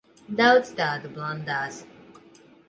Daudz tādu blandās.